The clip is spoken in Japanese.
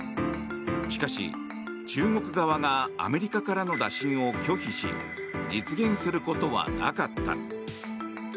しかし、中国側がアメリカからの打診を拒否し実現することはなかった。